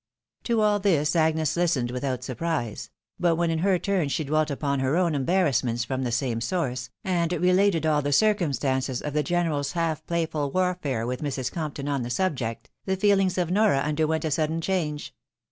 To all this Agnes listened without surprise ; but when in her turn she dwelt upon her own embarrassments from the same source, and related all the circumstances of the gene ral's half playful warfare with Mrs. Compton on the subject, 188 THE WIDOW MARRIED. the feelings of Nora underwent a sudden change.